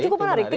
oh cukup menarik